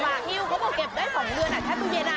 ฝ่าฮิวเขาก็เก็บได้สองเดือนอ่ะแทบตู้เย็นอ่ะ